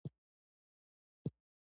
چا یې پښې چا ګودړۍ ورمچوله